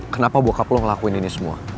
kenapa bokap lo ngelakuin ini semua